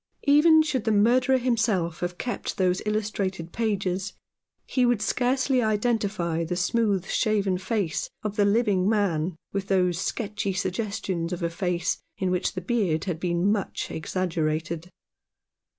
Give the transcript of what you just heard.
Even should the murderer himself have kept those illustrated pages, he would scarcely identify the smooth shaven face of the living man with those sketchy suggestions of a face in which the beard had been much exaggerated.